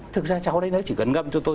thực ra cháu đấy nó chỉ cần ngâm cho tôi